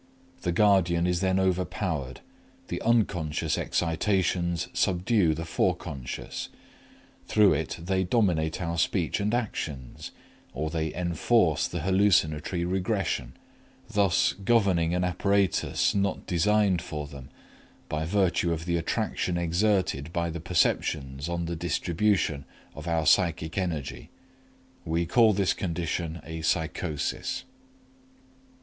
The guardian is then overpowered, the unconscious excitations subdue the Forec.; through it they dominate our speech and actions, or they enforce the hallucinatory regression, thus governing an apparatus not designed for them by virtue of the attraction exerted by the perceptions on the distribution of our psychic energy. We call this condition a psychosis.